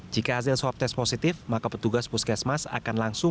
jika hasil swab test positif maka petugas puskesmas akan langsung